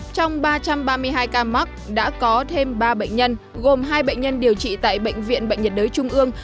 trong ba trăm ba mươi hai ca mắc đã có thêm ba bệnh nhân gồm hai bệnh nhân điều trị tại bệnh viện bệnh nhiệt đới trung ương